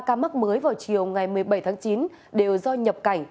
ca mắc mới vào chiều ngày một mươi bảy tháng chín đều do nhập cảnh